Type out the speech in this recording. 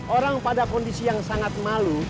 orang pada kondisi yang sangat malu